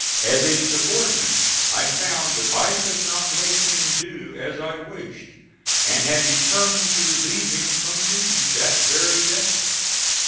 As a subordinate I found that I could not make him do as I wished, and had determined to relieve him from duty that very day.